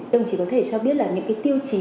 đồng chí có thể cho biết là những cái tiêu chí